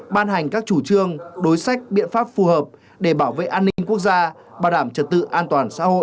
ban hành các chủ trương đối sách biện pháp phù hợp để bảo vệ an ninh quốc gia bảo đảm trật tự an toàn xã hội